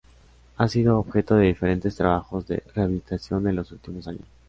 Ha sido objeto de diferentes trabajos de rehabilitación en los últimos años.